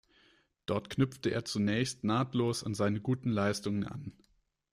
Dort knüpfte er zunächst nahtlos an seine guten Leistungen an.